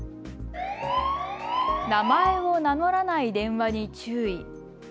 名前を名乗らない電話に注意。